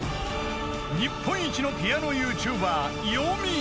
［日本一のピアノＹｏｕＴｕｂｅｒよみぃ］